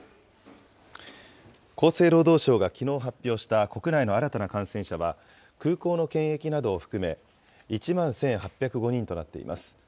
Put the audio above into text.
厚生労働省がきのう発表した国内の新たな感染者は、空港の検疫などを含め、１万１８０５人となっています。